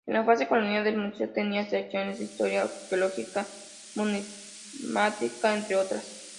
En la fase colonial el museo tenía secciones, de historia, arqueología, numismática, entre otras.